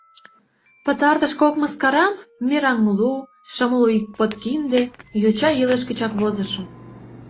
Пытартыш кок мыскарам — «Мераҥ лу», «Шымлу ик подкинде» — йоча илыш гычак возышым.